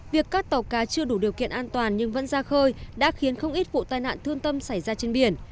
việc các tàu cá chưa đủ điều kiện an toàn nhưng vẫn ra khơi đã khiến không ít vụ tai nạn thương tâm xảy ra trên biển